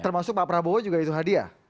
termasuk pak prabowo juga itu hadiah